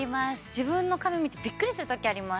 自分の髪見てびっくりするときあります